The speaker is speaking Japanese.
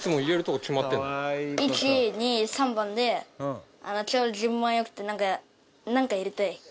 １２３番でちょうど順番良くてなんかなんか入れたい。